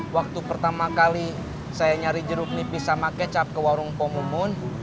waktu pertama kali saya nyari jeruk nipis sama kecap ke warung komun